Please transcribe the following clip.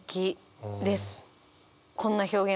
もうこんな表現